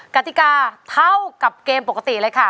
กติกาเท่ากับเกมปกติเลยค่ะ